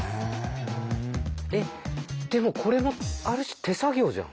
えっでもこれもある種手作業じゃん。